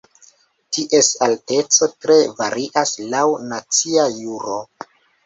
Ties alteco tre varias laŭ nacia juro.